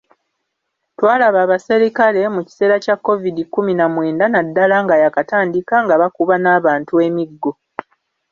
Twalaba abaserikale mu kiseera kya Covid kkumi na mwenda naddala nga yaakatandika nga bakuba n’abantu emiggo